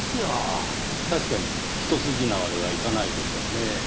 確かにひと筋縄ではいかないでしょうねぇ。